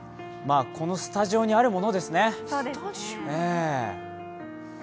このスタジオにあるものですね。